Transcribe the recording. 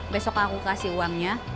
besok aku kasih uangnya